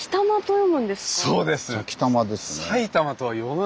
そうです。